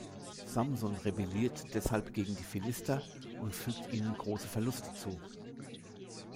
Samson rebelliert deshalb gegen die Philister und fügt ihnen große Verluste zu.